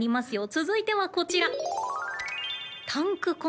続いてはこちら。